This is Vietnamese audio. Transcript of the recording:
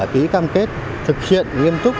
ký cam kết thực hiện nghiêm túc